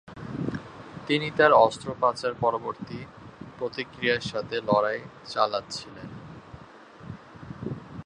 তিনি তার অস্ত্রোপচার পরবর্তী প্রতিক্রিয়ার সাথে লড়াই চালাচ্ছিলেন।